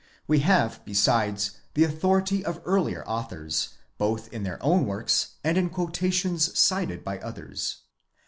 We have, besides, the authority of earlier authors, both in their own works and in quotations cited by others.